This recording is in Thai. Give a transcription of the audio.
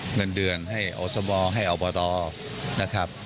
เงินเดือนให้อสมให้อบตนะครับ